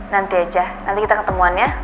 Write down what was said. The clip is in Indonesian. nanti aja nanti kita ketemuannya